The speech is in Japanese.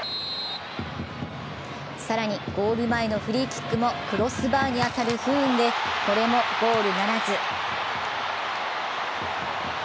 更にゴール前のフリーキックもクロスバーに当たる不運でこれもゴールならず。